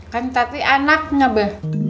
kan tadi anaknya be